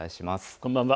こんばんは。